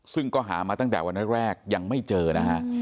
ซึ่งก็หามาตั้งแต่วันแรกยังไม่เจอนะฮะ